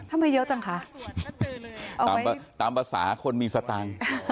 ทำไมเยอะจังคะตามภาษาคนมีสตังค์